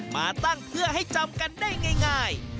มาตั้งเพื่อให้จำกันได้ง่าย